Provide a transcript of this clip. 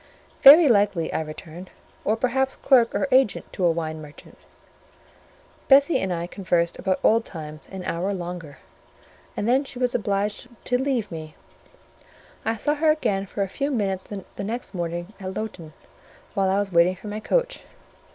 "Very likely," I returned; "or perhaps clerk or agent to a wine merchant." Bessie and I conversed about old times an hour longer, and then she was obliged to leave me: I saw her again for a few minutes the next morning at Lowton, while I was waiting for the coach.